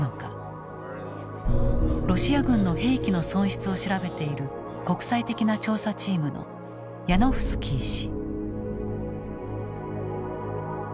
ロシア軍の兵器の損失を調べている国際的な調査チームのヤノフスキー氏。